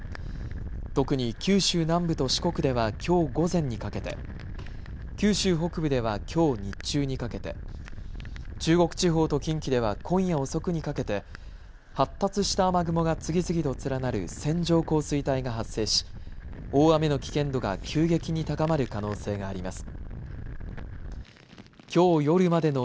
特に九州南部と四国ではきょう午前にかけて、九州北部ではきょう日中にかけて、中国地方と近畿では今夜遅くにかけて発達した雨雲が次々と連なる線状降水帯が発生し大雨の危険度が急激に高まる可能性があります。